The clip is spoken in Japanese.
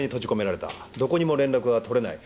どこにも連絡が取れない。